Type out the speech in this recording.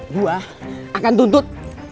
gue akan tuntut